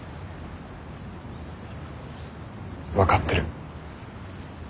分かってる。